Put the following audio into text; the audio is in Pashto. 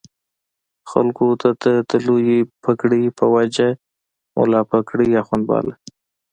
خلکو د ده د لویې پګړۍ په وجه ملا پګړۍ اخُند باله.